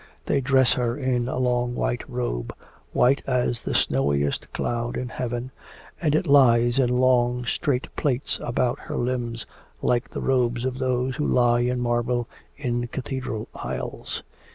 They dress her in a long white robe, white as the snowiest cloud in heaven, and it lies in long, straight plaits about her limbs, like the robes of those who lie in marble in cathedral aisles.